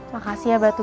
makasih ya batu